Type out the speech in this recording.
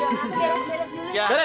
beres beres dulu aja